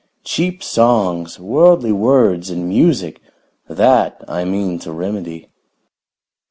Cheap songs! Worldly words and music! That I mean to remedy."